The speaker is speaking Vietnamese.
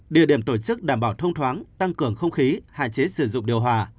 địa điểm tổ chức đảm bảo thông thoáng tăng cường không khí hạn chế sử dụng điều hòa